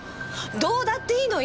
どうだっていいの！